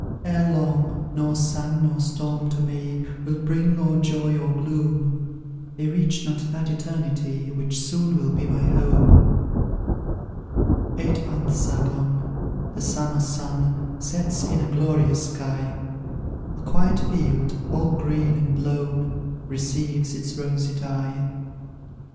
Ere long, nor sun nor storm to me Will bring or joy or gloom; They reach not that Eternity Which soon will be my home." Eight months are gone, the summer sun Sets in a glorious sky; A quiet field, all green and lone, Receives its rosy dye.